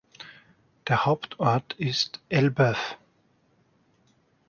Der Hauptort ist Elbeuf.